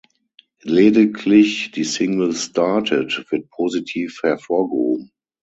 Lediglich die Single "Started" wird positiv hervorgehoben.